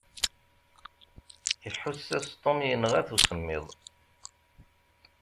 Iḥuss-as Tom yenɣa-t usemmiḍ.